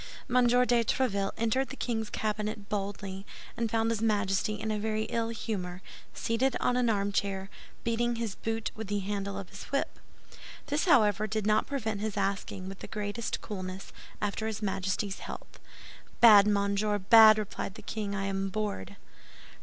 M. de Tréville entered the king's cabinet boldly, and found his Majesty in a very ill humor, seated on an armchair, beating his boot with the handle of his whip. This, however, did not prevent his asking, with the greatest coolness, after his Majesty's health. "Bad, monsieur, bad!" replied the king; "I am bored."